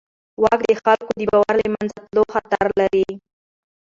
واک د خلکو د باور د له منځه تلو خطر لري.